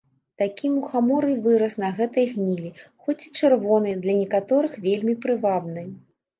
Такі мухамор і вырас на гэтай гнілі, хоць і чырвоны, для некаторых вельмі прывабны.